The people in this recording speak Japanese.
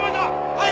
はい！